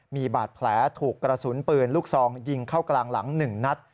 มีบาดแผลถูกกระสุนปืนลูกซองยิงเข้ากลางหลัง๑นัด